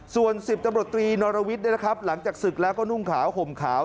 ส่วน๑๐ตำรวจตรีนรวิทย์หลังจากศึกแล้วก็นุ่งขาวห่มขาว